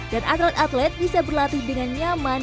dan atlet atlet bisa berlatih dengan nyaman